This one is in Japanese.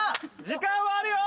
時間はあるよ！